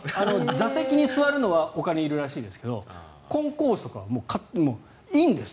座席に座るのはお金がいるらしいですけどコンコースとかはいいんです。